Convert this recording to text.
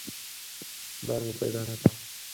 پلار مې پیدا نه کړ.